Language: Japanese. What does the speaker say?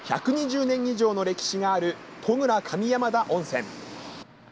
１２０年以上の歴史がある戸倉上山田温泉。